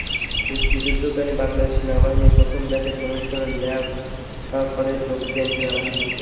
মুক্তিযুদ্ধকালীন বাংলাদেশ সেনাবাহিনীর প্রথম ব্যাচে কমিশন লাভ করে যোগ দেন সেনাবাহিনীতে।